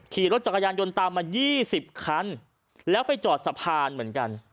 ขี่รถจักรยานยนต์ตามมา๒๐คันแล้วไปจอดสะพานเหมือนกัน